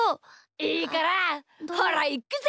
いいから！ほらいくぜ！